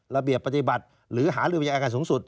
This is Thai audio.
ระเบียบปฏิบัติหรือหาลือไปยังอายการสูงสุด